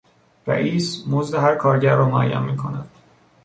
رئیس، مزد هر کارگر را معین می کند.